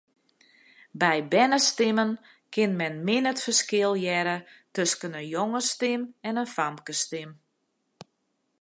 By bernestimmen kin men min it ferskil hearre tusken in jongesstim en in famkesstim.